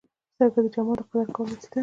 سترګې د جمال د قدر کولو وسیله ده